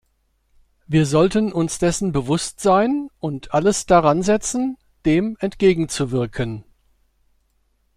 Wir sollten uns dessen bewusst sein und alles daransetzen, dem entgegenzuwirken.